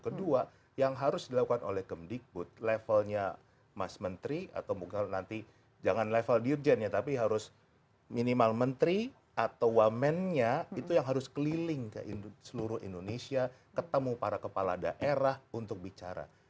kedua yang harus dilakukan oleh kemdikbud levelnya mas menteri atau bukan nanti jangan level dirjennya tapi harus minimal menteri atau wamennya itu yang harus keliling ke seluruh indonesia ketemu para kepala daerah untuk bicara